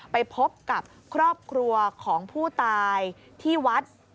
ไปพบกับครอบครัวของผู้ตายที่วัด